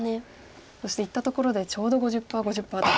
そしていったところでちょうど５０％５０％と。